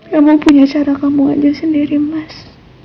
kamu punya cara kamu ngajar sendiri mas